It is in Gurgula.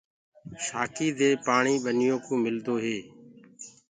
شآکينٚ دي پآڻي ٻنيوڪوُ ملدو هي۔